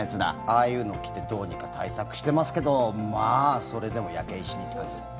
ああいうのを着てどうにか対策していますけどまあそれでも焼け石にって感じです。